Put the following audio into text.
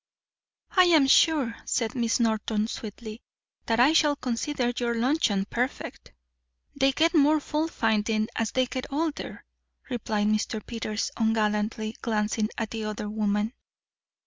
"I'm sure," said Miss Norton sweetly, "that I shall consider your luncheon perfect." "They get more faultfinding as they get older," replied Mr. Peters ungallantly, glancing at the other woman.